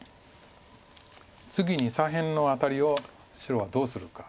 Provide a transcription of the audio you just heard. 次に左辺の辺りを白はどうするか。